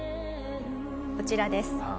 こちらです。